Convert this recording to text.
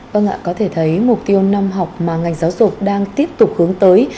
vâng ạ có thể thấy mục tiêu năm học mà ngành giáo dục đang tiếp tục hướng tới